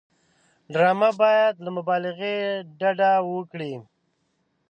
ډرامه باید له مبالغې ډډه وکړي